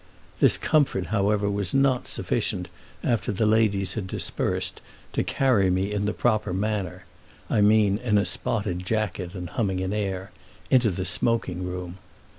This comfort however was not sufficient, after the ladies had dispersed, to carry me in the proper manner—I mean in a spotted jacket and humming an air—into the smoking room.